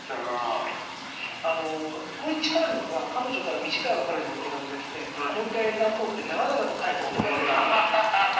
これに近いものが彼女から短い別れの手紙が来て「もう一回やり直そう」って長々と返す男の手紙。